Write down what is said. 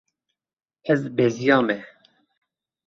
Ez beziyame.